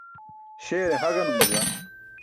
Śeere ha ganum juwan.